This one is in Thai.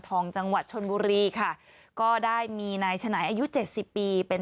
จังหวัดชนบุรีค่ะก็ได้มีนายฉนายอายุเจ็ดสิบปีเป็น